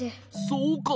そうか！